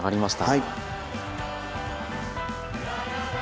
はい。